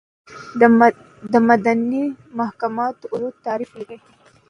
دمدني محاکماتو اصولو تعریف ولیکئ ؟